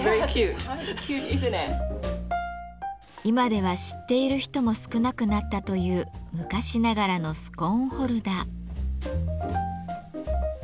今では知っている人も少なくなったという昔ながらのスコーンホルダー。